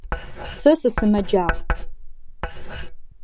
Сэ сысымэджагъ.